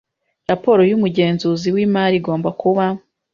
Raporo y umugenzuzi w imari igomba kuba